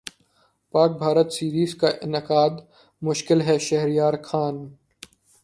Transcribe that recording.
پاک بھارت سیریزکا انعقادمشکل ہے شہریارخان